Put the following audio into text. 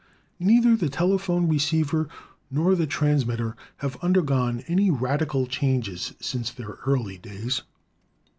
Neither the telephone receiver nor the transmitter have undergone any radical changes since their early days.